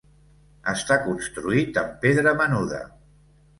Està construït amb pedra menuda.